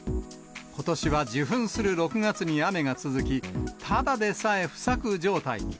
ことしは受粉する６月に雨が続き、ただでさえ不作状態に。